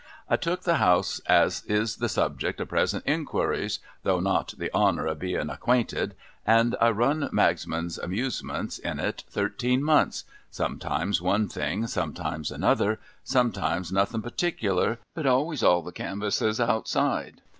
I took the House as is the subject of present inquiries — though not the honour of bein acquainted — and I run Magsman's Amuse ments in it thirteen months — sometimes one thing, sometimes another, sometimes nothin particular, but always all the canvasses outside.